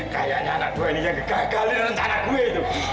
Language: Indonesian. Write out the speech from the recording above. kayaknya anak gue ini yang gagal dengan anak gue itu